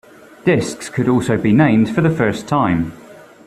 Disks could also be named for the first time.